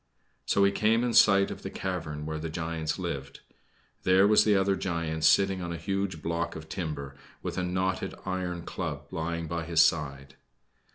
Soon he came in sight of the cavern where the giants lived. There was the other giant sitting on a huge block of timber, with a knotted iron club lying by his side.